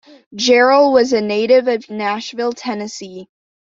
Jarrell was a native of Nashville, Tennessee.